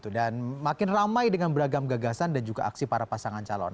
dan makin ramai dengan beragam gagasan dan juga aksi para pasangan calon